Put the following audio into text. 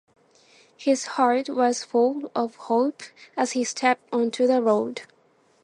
His heart was full of hope as he stepped onto the road.